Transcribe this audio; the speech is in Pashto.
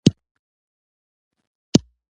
چا ځان ډاکټره او چا قاضي لیده